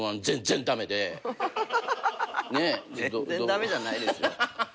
全然駄目じゃないですよ。